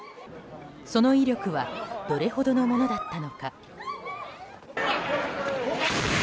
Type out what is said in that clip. その威力はどれほどのものだったのか。